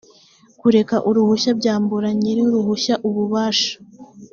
kureka uruhushya byambura nyiruruhushya ububasha